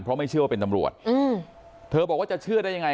เพราะไม่เชื่อว่าเป็นตำรวจอืมเธอบอกว่าจะเชื่อได้ยังไง